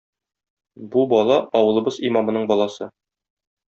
Бу бала - авылыбыз имамының баласы.